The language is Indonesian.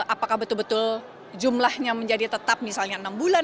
apakah betul betul jumlahnya menjadi tetap misalnya enam bulan